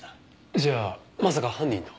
じゃあまさか犯人の？